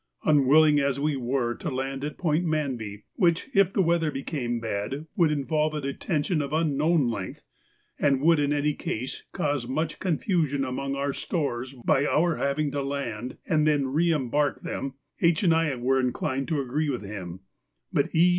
Unwilling as we were to land at Point Manby, which, if the weather became bad, would involve a detention of unknown length, and would in any case cause much confusion among our stores by our having to land, and then re embark them, H. and I were inclined to agree with him, but E.